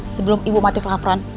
sebelum ibu mati kelaparan